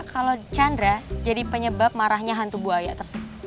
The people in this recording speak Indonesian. kalau chandra jadi penyebab marahnya hantu buaya tersebut